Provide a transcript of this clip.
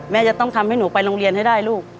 แม่จะต้องทำให้หนูไปโรงเรียนให้ได้ลูก